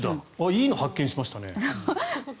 いいの発見しましたね。